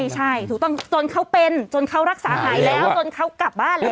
ใช่ถูกต้องจนเขาเป็นจนเขารักษาหายแล้วจนเขากลับบ้านแล้ว